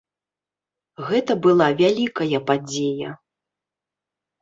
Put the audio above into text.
Гэта была вялікая падзея.